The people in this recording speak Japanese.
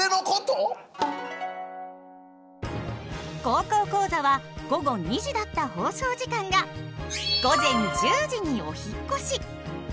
「高校講座」は午後２時だった放送時間が午前１０時にお引っ越し。